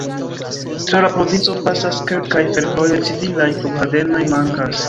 Tra la provinco pasas kelkaj fervojoj, civilaj flughavenoj mankas.